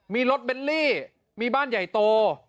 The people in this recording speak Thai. มีรถเบลลี่มีบ้านใหญ่โต